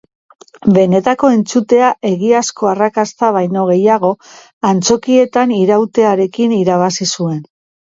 Benetako entzutea, egiazko arrakasta baino gehiago, antzokietan irautearekin irabazi zuen.